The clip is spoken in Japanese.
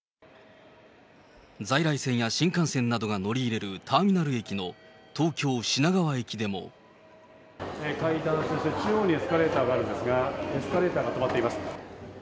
在来線や新幹線などが乗り入れるターミナル駅の東京・品川駅階段、そして中央にエスカレーターがあるんですが、エスカレーターが止まっています。